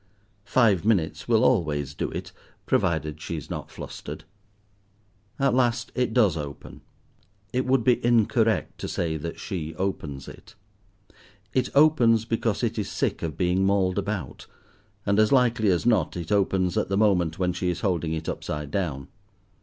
Five minutes will always do it, provided she is not flustered. At last it does open. It would be incorrect to say that she opens it. It opens because it is sick of being mauled about; and, as likely as not, it opens at the moment when she is holding it upside down.